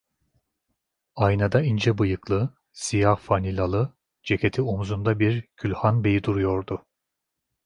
Aynada ince bıyıklı, siyah fanilalı, ceketi omuzunda bir külhanbeyi duruyordu.